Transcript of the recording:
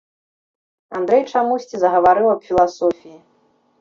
Андрэй чамусьці загаварыў аб філасофіі.